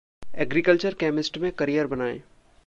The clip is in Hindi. एग्रीकल्चर केमिस्ट में करियर बनाए